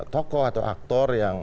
tokoh atau aktor yang